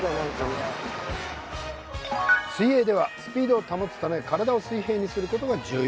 水泳ではスピードを保つため体を水平にする事が重要